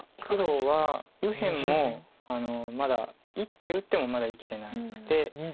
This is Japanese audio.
黒は右辺もまだ１手打ってもまだ生きてなくて。